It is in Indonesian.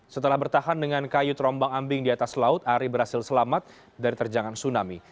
setelah bertahan dengan kayu terombang ambing di atas laut ari berhasil selamat dari terjangan tsunami